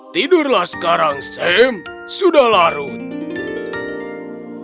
tidurlah sekarang sam sudah larut